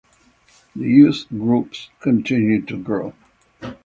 The youth groups continue to grow.